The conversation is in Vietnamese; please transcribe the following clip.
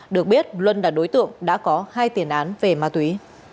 được biết luân là đối tượng đã có hai tiền án về ma túy